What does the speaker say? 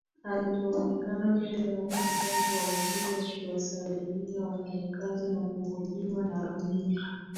alipoonekana mbele ya umma tangu augue akiwasalimia wafanyakazi na kuhojiwa na runinga